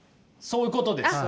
そういうことです。